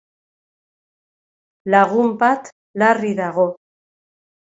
Lagun bat larri dago.